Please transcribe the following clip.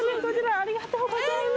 ありがとうございます。